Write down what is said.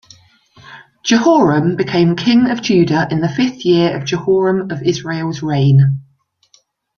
Jehoram became king of Judah in the fifth year of Jehoram of Israel's reign.